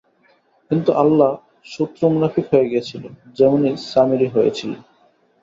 কিন্তু আল্লাহ শত্রু মুনাফিক হয়ে গিয়েছিল, যেমনি সামিরী হয়েছিল।